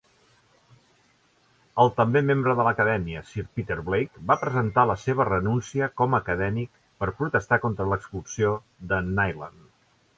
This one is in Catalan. El també membre de l'Acadèmia, Sir Peter Blake, va presentar la seva renúncia com a acadèmic per protestar contra l'expulsió de Neiland.